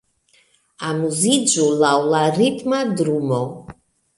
Amuziĝu laŭ la ritma drumo